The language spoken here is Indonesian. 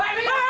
bang setan lu